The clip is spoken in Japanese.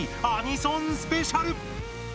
アニソンスペシャル。